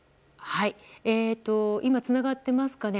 今つながっていますかね。